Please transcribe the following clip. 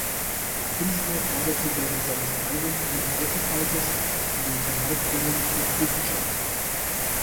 Der Künstler badete während seines dreiwöchigen Aufenthaltes in den Thermalquellen von Burtscheid.